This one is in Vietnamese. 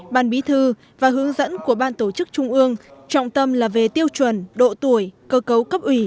ban bí thư và hướng dẫn của ban tổ chức trung ương trọng tâm là về tiêu chuẩn độ tuổi cơ cấu cấp ủy